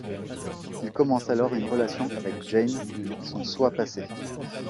Il commence alors une relation avec Jane, son soi passé.